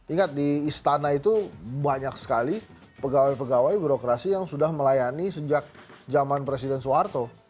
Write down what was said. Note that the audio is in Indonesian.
ingat di istana itu banyak sekali pegawai pegawai birokrasi yang sudah melayani sejak zaman presiden soeharto